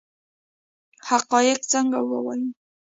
حقایق څنګه ووایو؟